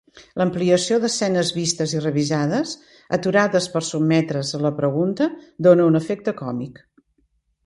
L'ampliació d'escenes vistes i revisades, aturades per sotmetre's a la pregunta, dóna un efecte còmic.